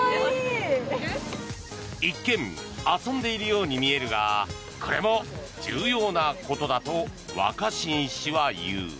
一見、遊んでいるように見えるがこれも重要なことだと若新氏は言う。